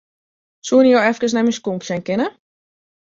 Soenen jo efkes nei myn skonk sjen kinne?